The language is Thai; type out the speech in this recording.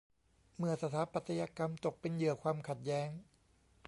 เมื่อสถาปัตยกรรมตกเป็นเหยื่อความขัดแย้ง